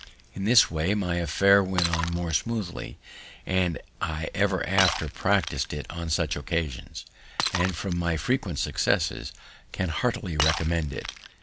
In this way my affair went on more smoothly, and I ever after practis'd it on such occasions; and, from my frequent successes, can heartily recommend it.